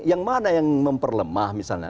yang mana yang memperlemah misalnya